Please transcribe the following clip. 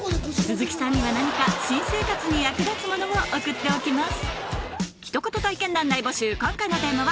鈴木さんには何か新生活に役立つものを送っておきます